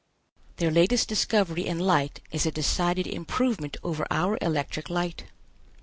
Their latest discovery in light is a decided improvement over our electric light.